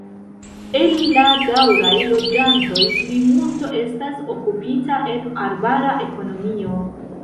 El la daŭraj loĝantoj plimulto estas okupita en arbara ekonomio.